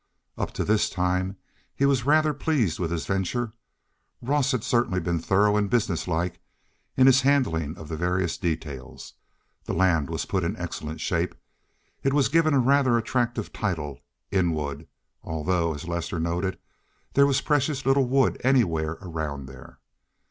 Up to this time he was rather pleased with his venture. Ross had certainly been thorough and business like in his handling of the various details. The land was put in excellent shape. It was given a rather attractive title—"Inwood," although, as Lester noted, there was precious little wood anywhere around there.